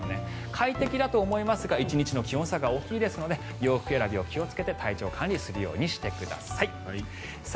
快適だと思いますが１日の気温差が大きいですので洋服選びをお気をつけて体調管理をするようにしてください。